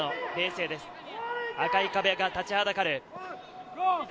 赤い壁が立ちはだかる。